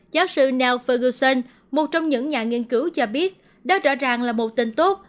giáo sư neil ferguson một trong những nhà nghiên cứu cho biết đó rõ ràng là một tên tốt